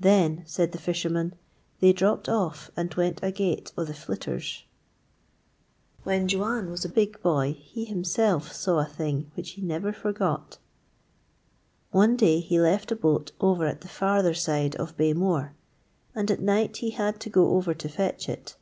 'Then,' said the fisherman, 'they dropped off and went agate o' the flitters.' When Juan was a big boy he himself saw a thing which he never forgot. One day he left a boat over at the farther side of Bay Mooar, and at night he had to go over to fetch it.